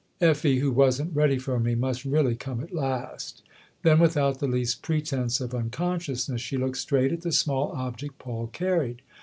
" Effie, who wasn't ready for me, must really come at last." Then without the least pretence of unconsciousness she looked straight at the small object Paul carried.